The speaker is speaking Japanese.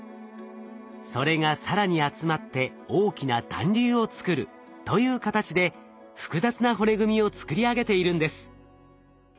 それが更に集まって大きな団粒を作るという形で複雑な骨組みを作り上げているんです。